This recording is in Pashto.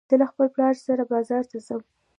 زه له خپل پلار سره بازار ته ځم